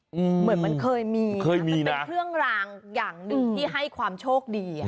เหมือนมันเคยมีมันเป็นเครื่องรางอย่างหนึ่งที่ให้ความโชคดีอ่ะ